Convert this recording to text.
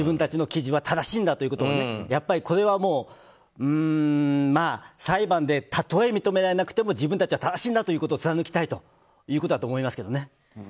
自分たちの記事は正しいんだとこれは、裁判で例え認められなくても自分たちは正しいんだということを貫きたいということだと思います。